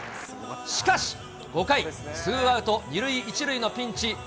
しかし５回、ツーアウト２塁１塁のピンチ。